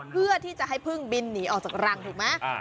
เพื่อที่จะให้พึ่งบินหนีออกจากรังถูกไหม